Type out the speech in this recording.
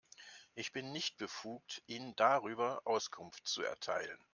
Ich bin nicht befugt, Ihnen darüber Auskunft zu erteilen.